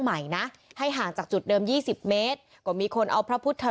ใหม่นะให้ห่างจากจุดเดิม๒๐เมตรก็มีคนเอาพระพุทธ